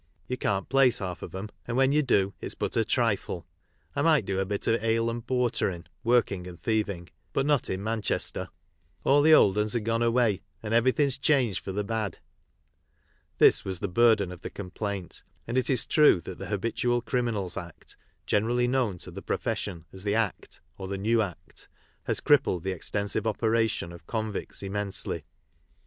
You can't place half of 'em, and when you do it's but a trifle. I might do a bit o' " ale and portering" (working and thieving), but not in Manchester. All the old *uns are gone away, and everything's changed for the bad." This was the burden of the complaint, and it is true that the Habitual Criminals Act, generally known to the "profession" as the " Act," or the " New Act," has crippled the extensive operations of convicts im mensely.